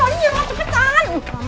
kalau ini jangan cepetan